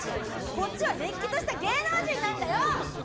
こっちはれっきとした芸能人なんだよ！